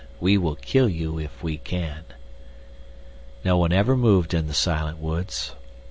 We will kill you if we can." No one ever moved in the silent woods.